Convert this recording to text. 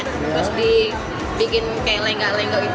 terus dibikin kayak lenggak lenggok gitu